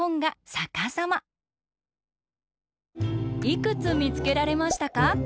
いくつみつけられましたか？